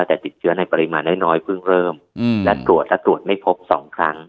แต่ติดเชื้อในปริมาณน้อยเพิ่งเริ่มและตรวจและตรวจไม่พบสองครั้ง